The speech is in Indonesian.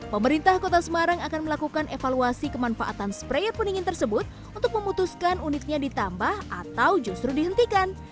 pemerintah kota semarang akan melakukan evaluasi kemanfaatan sprayer pendingin tersebut untuk memutuskan unitnya ditambah atau justru dihentikan